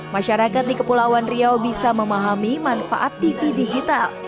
masyarakat di kepulauan riau bisa memahami manfaat tv digital